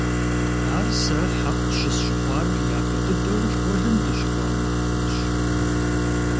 Ар сэ хьэкъ щысщыхъуар япэ дыдэу школым дыщыкӀуа махуэрщ.